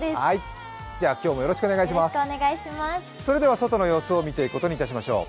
外の様子を見ていくことにいたしましょう。